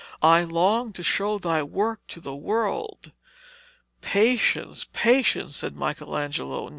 'I long to show thy work to the world.' 'Patience, patience,' said Michelangelo.